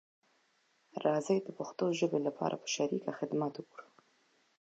راځی د پښتو ژبې لپاره په شریکه خدمت وکړو